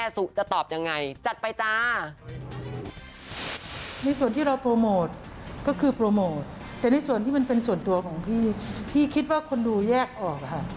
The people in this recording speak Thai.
สูตรเองก็ต้องดูว่า